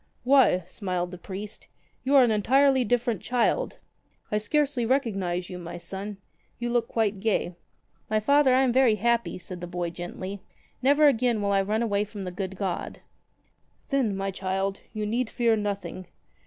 "Why," smiled the priest, ''you are an entirely different child. I scarcely recognize you, my son. You look quite gay." "My Father, I am very happy," said the boy gently. "Never again will I run away from the good God." "Then, my child, you need fear nothing.